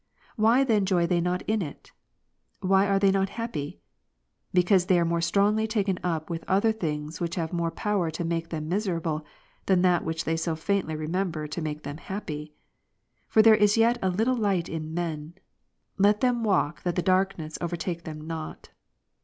Why then joy they not in it ? why are they not happy ? because they are more strongly taken up with other things which have more power to make them miserable, than that which they so faintly remember to make them happy ^ For there is yet a little light in men ; let them walk, let them walk, that the John 12, darkness overtake them not.